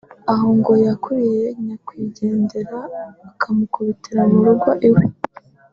aho ngo yakuruye nyakwigendera akamukubitira mu rugo iwe